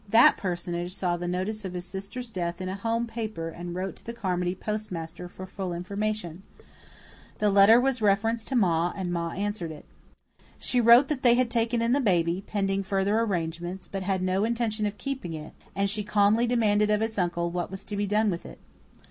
That personage saw the notice of his sister's death in a home paper and wrote to the Carmody postmaster for full information. The letter was referred to Ma and Ma answered it. She wrote that they had taken in the baby, pending further arrangements, but had no intention of keeping it; and she calmly demanded of its uncle what was to be done with it.